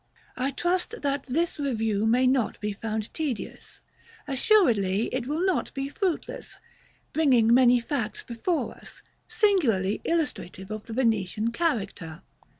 I trust that this review may not be found tedious, assuredly it will not be fruitless, bringing many facts before us, singularly illustrative of the Venetian character.